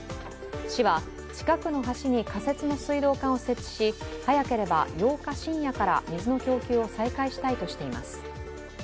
市は、近くの橋に仮設の水道管を設置し早ければ８日深夜から水の供給を再開したいとしています。